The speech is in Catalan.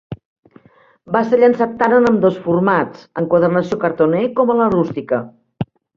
Va ser llançat tant en ambdós formats enquadernació cartoné com a la rústica.